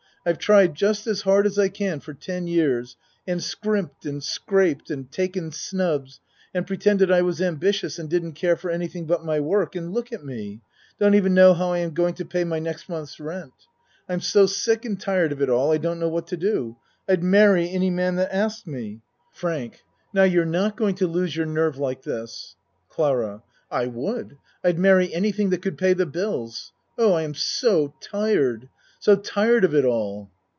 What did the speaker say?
I've tried just as hard as I can for ten years and scrimped and scraped and taken snubs and pretended I was ambitious and didn't care for anything but my work, and look at me don't even know how I am going to pay my next month's rent. I'm so sick and tired of it all I don't know w T hat to do. I'd marry any man that asked me. 86 A MAN'S WORLD FRANK Now, you're not going to lose your nerve like this. CLARA I would. I'd marry anything that could pay the bills. Oh, I am so tired so tired of it all.